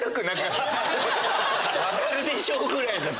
「分かるでしょ」ぐらいだったじゃん。